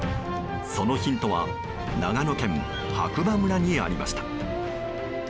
そのヒントは長野県白馬村にありました。